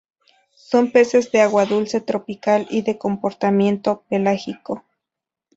Son peces de agua dulce tropical y de comportamiento pelágico.